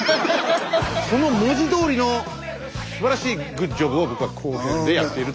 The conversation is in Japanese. その文字どおりのすばらしいグッジョブを僕は後編でやっていると。